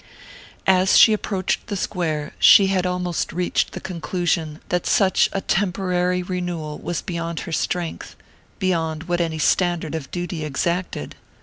As she approached the square she had almost reached the conclusion that such a temporary renewal was beyond her strength beyond what any standard of duty exacted.